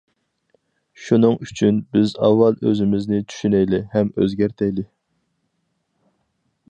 شۇنىڭ ئۈچۈن، بىز ئاۋۋال ئۆزىمىزنى چۈشىنەيلى ھەم ئۆزگەرتەيلى.